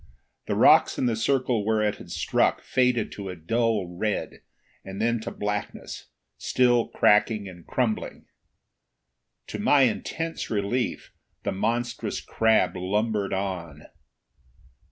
The rocks in the circle where it had struck faded to a dull red and then to blackness, still cracking and crumbling. To my intense relief, the monstrous crab lumbered on.